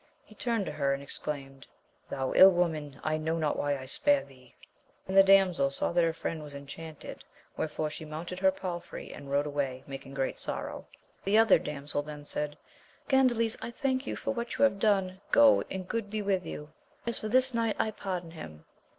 He turned to her and exclaimed, Thou ill woman ! I know not why I spare thee. And the damsel saw that her friend was enchanted, where fore she mounted her palfrey and rode away, making great sorrow. The other damsel then said, Gandales I thank you for what you have done, go and good be with you ! as for this knight, I pardon him.